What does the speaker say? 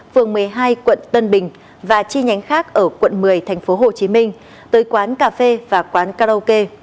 phường một mươi hai quận tân bình và chi nhánh khác ở quận một mươi tp hcm tới quán cà phê và quán karaoke